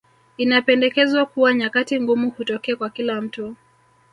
Inapendekezwa kuwa nyakati ngumu hutokea kwa kila mtu